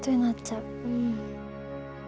うん。